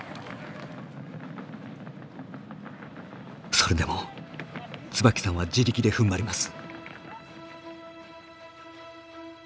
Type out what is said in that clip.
それでも椿さんは自力でふんばります。